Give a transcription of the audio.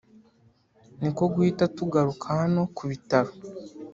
ni ko guhita tugaruka hano ku bitaro